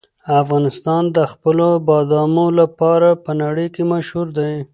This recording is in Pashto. افغانستان د خپلو بادامو لپاره په نړۍ کې مشهور دی.